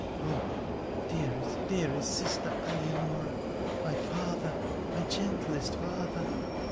Oh ! dearest, dearest sister Alianora ! My father— my gentlest father!